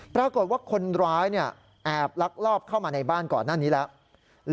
ปรากฏว่าคนร้ายแอบลักลอบเข้ามาในบ้านก่อนหน้านี้แล้ว